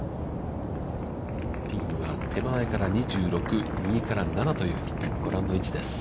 ピンは手前から２６、右から７という、ご覧の位置です。